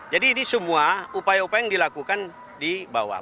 jadi ini semua upaya upaya yang dilakukan di bawah